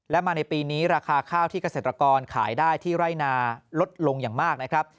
และมาในปีนี้ราคาข้าวที่เกษตรกรขายได้ที่ไร่นาลดลงอย่างมากนะครับ